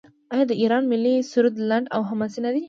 آیا د ایران ملي سرود لنډ او حماسي نه دی؟